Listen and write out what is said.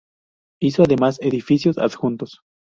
Hizo además edificios adjuntos.